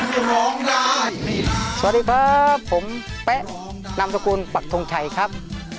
สวัสดีครับผมแป๊ะนามสกุลปักทงชัยครับ